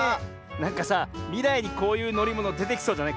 なんかさみらいにこういうのりものでてきそうじゃない？